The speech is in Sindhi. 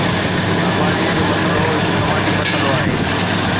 آبادي جو مسئلو هڪ سماجي مسئلو آهي